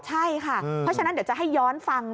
ใช่ค่ะเพราะฉะนั้นเดี๋ยวจะให้ย้อนฟัง